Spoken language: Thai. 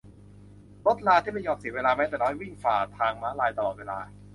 รถราที่ไม่ยอมเสียเวลาแม้แต่น้อย วิ่งฝ่าทางม้าลายตลอดเวลา